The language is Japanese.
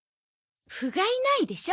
「ふがいない」でしょ。